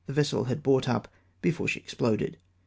vessel had brought up, before she exploded.